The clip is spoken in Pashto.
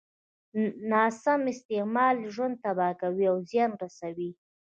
ناسم استعمال يې ژوند تباه کوي او زيان رسوي.